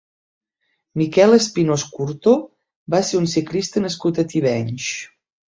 Miquel Espinós Curto va ser un ciclista nascut a Tivenys.